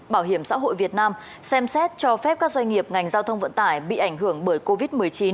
bảo hiểm xã hội việt nam xem xét cho phép các doanh nghiệp ngành giao thông vận tải bị ảnh hưởng bởi covid một mươi chín